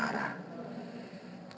gelar perkara pun juga tidak